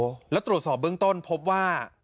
แล้วตรวจสอบเบื้องต้นพบว่า